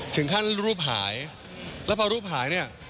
ถึงขั้นรูปหายแล้วพอรูปหายเนี่ย